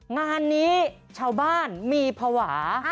งานนี้ชาวบ้านมีภาวะ